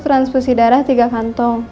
transfusi darah tiga kantong